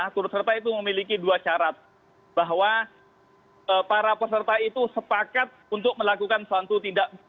turut serta itu memiliki dua syarat bahwa para peserta itu sepakat untuk melakukan suatu tindakan